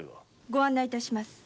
ご案内致します。